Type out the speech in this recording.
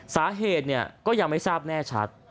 สาเหตุก็ยังไม่ทราบแน่ชัด